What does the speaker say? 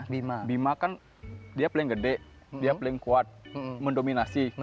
bima kan dia paling gede dia paling kuat mendominasi